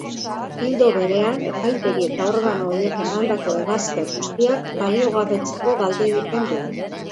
Ildo berean, epaitegi eta organo horiek emandako ebazpen guztiak baliogabetzeko galdegiten du.